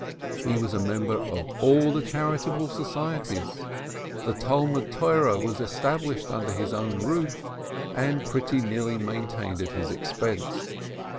He was a member of all the charitable societies. The Talmud Torah was established under his own roof, and pretty nearly maintained at his expense.